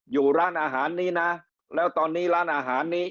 อยู่ร้านอาหารนี้นะแล้วตอนนี้ร้านอาหารนี้